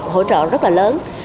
hỗ trợ rất là lớn